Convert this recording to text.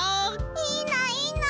いいないいな！